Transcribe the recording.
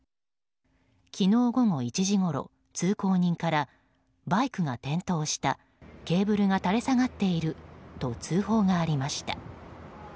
昨日午後１時ごろ、通行人からバイクが転倒したケーブルが垂れ下がっていると通報がありました。